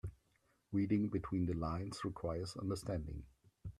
Reading between the lines requires understanding.